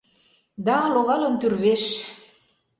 Да, логалын тÿрвеш